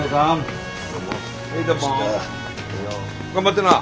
頑張ってな。